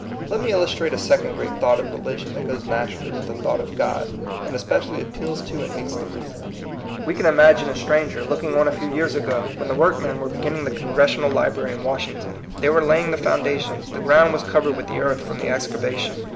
Let me illustrate a second great thought of religion that goes naturally with the thought of God, and specially appeals to and meets the reason. We can imagine a stranger looking on a few years ago when the workmen were beginning the Congres sional Library in Washington. They were laying the foundations ; the ground was covered with the earth from the excavation.